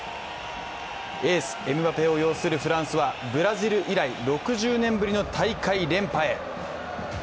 エース・エムバペを擁するフランスはブラジル以来６０年ぶりの大会連覇へ。